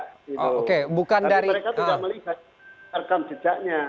tapi mereka tidak melihat rekam jejaknya